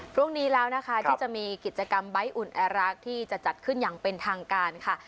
พรุ่งนี้แล้วนะคะที่จะมีกิจกรรมใบ้อุ่นแอรักที่จะจัดขึ้นอย่างเป็นทางการค่ะ